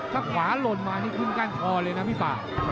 ถ้าขวาหล่นมานี่ขึ้นก้านคอเลยนะพี่ป่า